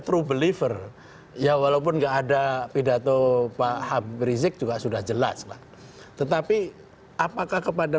true believer ya walaupun enggak ada pidato pak habib rizik juga sudah jelas lah tetapi apakah kepada